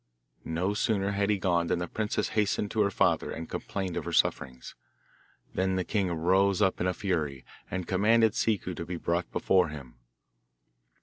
No sooner had he gone than the princess hastened to her father and complained of her sufferings. Then the king rose up in a fury, and commanded Ciccu to be brought before him.